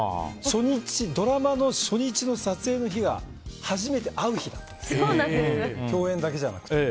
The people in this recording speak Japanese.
ドラマの初日の撮影の日が初めて会う日だったんです共演だけじゃなくて。